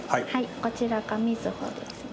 こちらが瑞秀です。